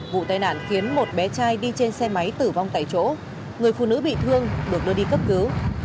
vụ tai nạn khiến một bé trai đi trên xe máy tử vong tại chỗ người phụ nữ bị thương được đưa đi cấp cứu